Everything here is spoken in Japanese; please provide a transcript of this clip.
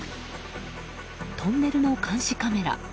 トンネルの監視カメラ。